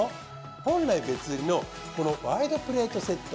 本来別売りのこのワイドプレートセット。